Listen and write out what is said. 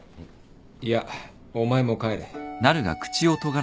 いやお前も帰れ。